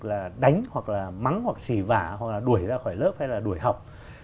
là đánh hoặc là mắng hoặc xì vả hoặc là đuổi ra khỏi lớp hay là đuổi học